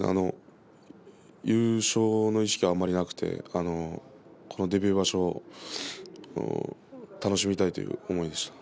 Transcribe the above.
優勝の意識はあまりなくてこのデビュー場所楽しみたいという思いでした。